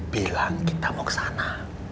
bilang kita mau ke sana